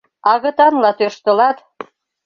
— Агытанла тӧрштылат!